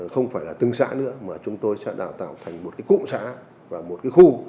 không phải là từng xã nữa mà chúng tôi sẽ đào tạo thành một cụm xã và một khu